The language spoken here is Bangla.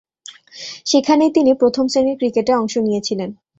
সেখানেই তিনি প্রথম-শ্রেণীর ক্রিকেটে অংশ নিয়েছিলেন।